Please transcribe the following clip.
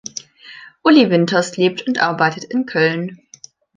Uli Winters lebt und arbeitet in Köln.